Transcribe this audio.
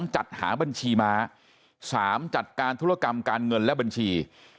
จัดหาบัญชีม้า๓จัดการธุรกรรมการเงินและบัญชี